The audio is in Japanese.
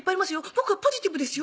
「僕はポジティブですよ